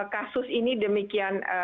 kasus ini demikian